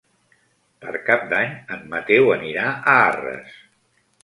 Per Cap d'Any en Mateu anirà a Arres.